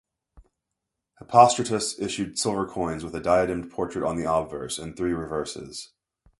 Hippostratos issued silver coins with a diademed portrait on the obverse, and three reverses.